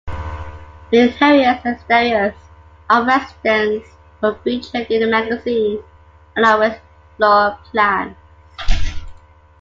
Interiors and exteriors of residences were featured in the magazine, along with floor plans.